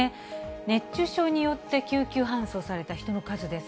熱中症によって救急搬送された人の数です。